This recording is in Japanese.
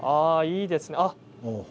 いいですね。